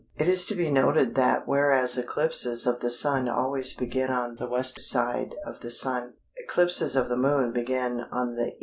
It is to be noted that whereas eclipses of the Sun always begin on the W. side of the Sun, eclipses of the Moon begin on the E.